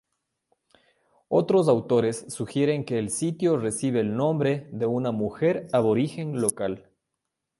Otros autores sugieren que el sitio recibe el nombre de una mujer aborigen local.